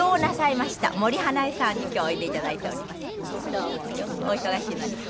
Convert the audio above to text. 「どうもお忙しいのに」